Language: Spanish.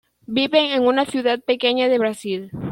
Viven en una ciudad pequeña de Brasil.